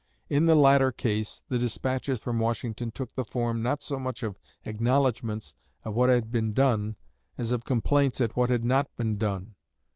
In the latter case the despatches from Washington took the form not so much of acknowledgments of what had been done as of complaints at what had not been done.